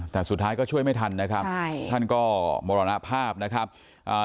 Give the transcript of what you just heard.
แต่สุดท้ายก็ช่วยไม่ทันนะครับใช่ท่านก็มรณภาพนะครับอ่า